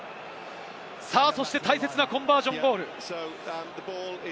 そして大切なコンバージョンゴール。